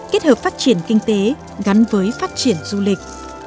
kết hợp phát triển kinh tế gắn với phát triển du lịch